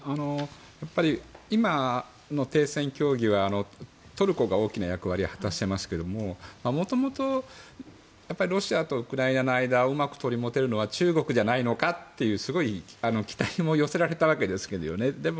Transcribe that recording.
やっぱり今、停戦協議はトルコが大きな役割を果たしていますけれどももともと、ロシアとウクライナの間をうまく取り持てるのは中国じゃないのかとすごい期待も寄せられたわけですね。